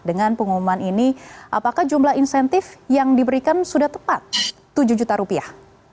dengan pengumuman ini apakah jumlah insentif yang diberikan sudah tepat tujuh juta rupiah